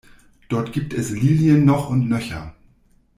Dort gibt es Lilien noch und nöcher.